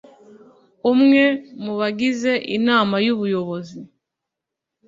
umwe mu bagize inama y ubuyobozi